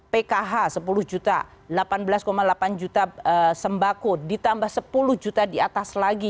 pkh sepuluh juta delapan belas delapan juta sembako ditambah sepuluh juta di atas lagi